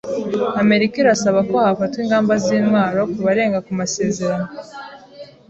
Amerika irasaba ko hafatwa ingamba z’intwaro ku barenga ku masezerano